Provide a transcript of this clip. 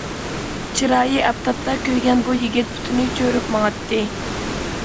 چىرايى ئاپتاپتا كۆيگەن بۇ يىگىت پۇتىنى چۆرۈپ ماڭاتتى.